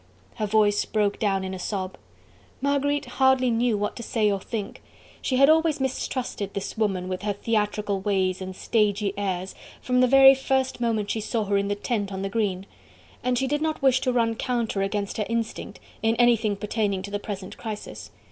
Her voice broke down in a sob. Marguerite hardly knew what to say or think. She had always mistrusted this woman with her theatrical ways and stagy airs, from the very first moment she saw her in the tent on the green: and she did not wish to run counter against her instinct, in anything pertaining to the present crisis.